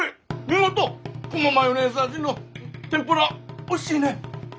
このマヨネーズ味のてんぷらおいしいね。